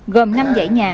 gồm năm dãy nhà